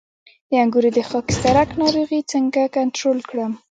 د انګورو د خاکسترک ناروغي څنګه کنټرول کړم؟